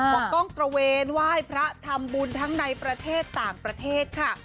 ต้องตระเวนไหว้พระทำบุญทั้งในประเทศต่างประเทศค่ะ